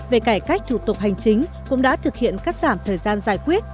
về cải cách thủ tục hành chính cũng đã thực hiện cắt giảm thời gian giải quyết